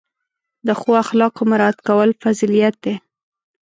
د ښو اخلاقو مراعت کول فضیلت دی.